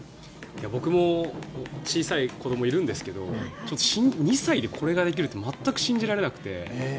僕も小さい子ども、いるんですけど２歳でこれができるって全く信じられなくて。